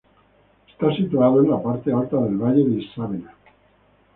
Está situado en la parte alta del valle del Isábena.